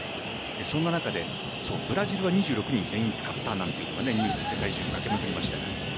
そんな中でブラジルは２６人全員使ったなんていうのがニュースで世界中駆け巡りました。